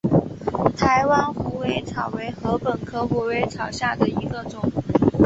台湾虎尾草为禾本科虎尾草下的一个种。